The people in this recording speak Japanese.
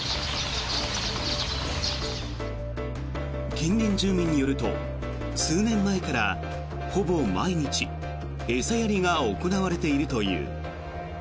近隣住民によると数年前からほぼ毎日餌やりが行われているという。